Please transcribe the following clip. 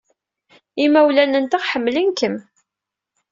Imawlan-nteɣ ḥemmlen-kem.